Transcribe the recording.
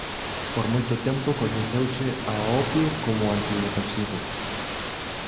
Por moito tempo coñeceuse ao opio como antidepresivo.